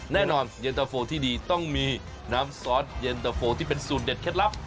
แน่นอนเย็นตะโฟที่ดีต้องมีน้ำซอสเย็นตะโฟที่เป็นสูตรเด็ดเคล็ดลับ